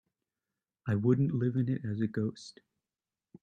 I wouldn't live in it as a ghost.